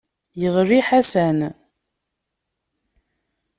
Yeɣli Ḥasan.